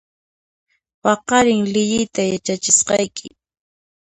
Paqarin liyiyta yachachisqayki